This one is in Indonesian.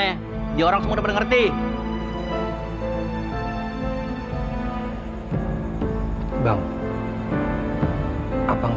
hai bang selfie apakah ada yang lailah